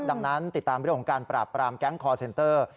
ดังนั้นติดตามเรื่องของการปราบปรามแก๊งคอร์เซนเตอร์